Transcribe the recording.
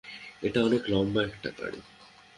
এটা অনেক লম্বা একটা গাড়ি।